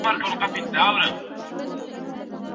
د وليمې په ځای کي د عبث کارونو شتون څه تاوان لري؟